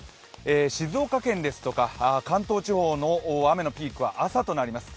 静岡県ですとか関東地方の雨のピークは朝となります。